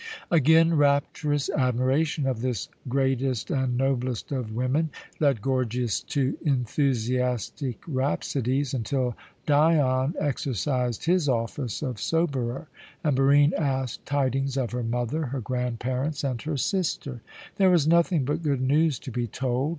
Again rapturous admiration of this greatest and noblest of women led Gorgias to enthusiastic rhapsodies, until Dion exercised his office of soberer, and Barine asked tidings of her mother, her grandparents, and her sister. There was nothing but good news to be told.